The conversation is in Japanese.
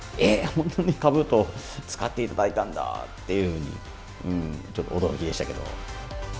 ほんとにかぶと、使っていただいたんだっていうふうに、ちょっと驚きでしたけど。